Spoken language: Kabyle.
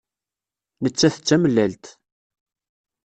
Nettat d tamellalt.